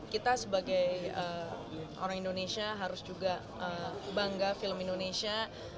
kita sebagai orang indonesia harus juga bangga film indonesia